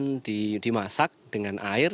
kemudian dimasak dengan air